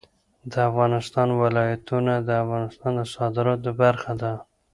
د افغانستان ولايتونه د افغانستان د صادراتو برخه ده.